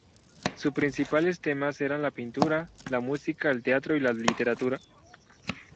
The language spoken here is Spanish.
Sus principales temas eran la pintura, la música, el teatro y la literatura.